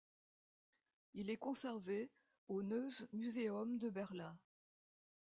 Il est conservé au Neues Museum de Berlin.